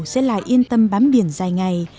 sẽ lại yên tâm bám biển dài ngày